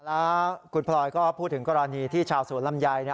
แล้วคุณพลอยก็พูดถึงกรณีที่ชาวสวนลำไย